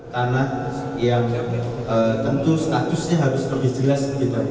tanah yang tentu statusnya harus lebih jelas